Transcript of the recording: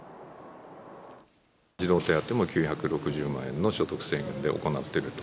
児童手当も９６０万円の所得制限で行っていると。